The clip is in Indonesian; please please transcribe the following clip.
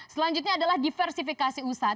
selanjutnya adalah diversifikasi usaha